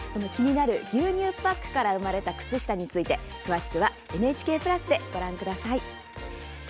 牛乳パックから生まれた靴下について、詳しくはＮＨＫプラスでご覧ください。